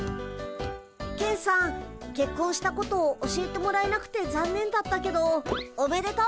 ケンさんけっこんしたこと教えてもらえなくてざんねんだったけどおめでとう。